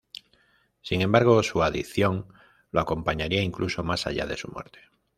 Sin embargo, su adicción lo acompañaría incluso más allá de su muerte.